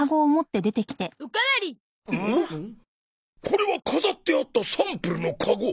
これは飾ってあったサンプルのカゴ！